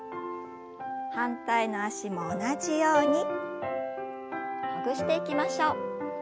反対の脚も同じようにほぐしていきましょう。